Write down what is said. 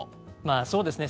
そうですね。